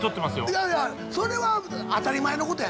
いやいやそれは当たり前のことや。